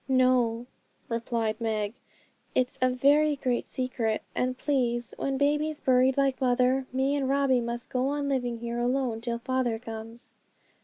'No,' replied Meg, 'it's a very great secret; and please, when baby's buried like mother, me and Robbie must go on living here alone till father comes.'